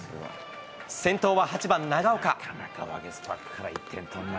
先頭は８番長岡。